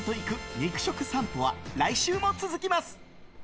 肉食さんぽは来週も続きます。